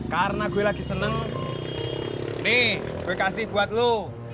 karena gue lagi seneng nih gue kasih buat lu